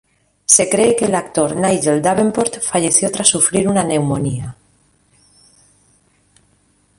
Se cree que el actor Nigel Davenport falleció tras sufrir una neumonía.